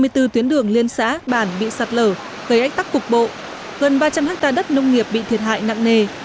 hai mươi bốn tuyến đường liên xã bản bị sạt lở gây ách tắc cục bộ gần ba trăm linh hectare đất nông nghiệp bị thiệt hại nặng nề